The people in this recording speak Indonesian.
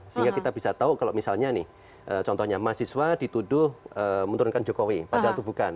sehingga kita bisa tahu kalau misalnya nih contohnya mahasiswa dituduh menurunkan jokowi padahal itu bukan